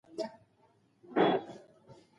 پښتو ليکنې يې هڅولې.